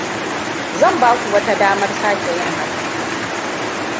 Zan ba ku wata damar sake yin hakan.